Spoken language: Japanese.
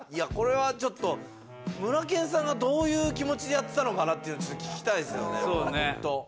これはちょっとムラケンさんがどういう気持ちでやってたのかなっていうのちょっと聞きたいですよね本当。